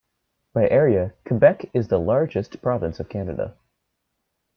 By area, Quebec is the largest province of Canada.